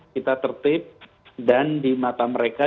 kita tertip dan di mata mereka